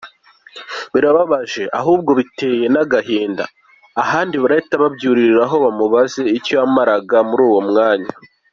Birababaje, ahubwo biteye n’agahinda. Abandi barahita babyuririraho bamubaze icyo yamaraga muri uwo mwanya.